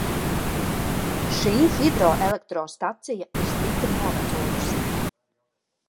Šī hidroelektrostacija ir stipri novecojusi.